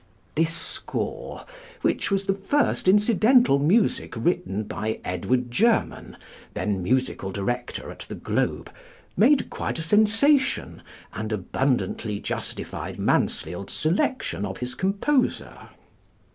This score, which was the first incidental music written by Edward German, then musical director at the Globe, made quite a sensation, and abundantly justified Mansfield's selection of his composer.